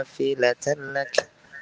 fi latan laki